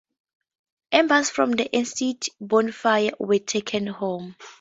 Embers from the extinct bonfire were taken home.